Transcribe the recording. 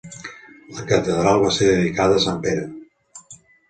La catedral va ser dedicada a Sant Pere.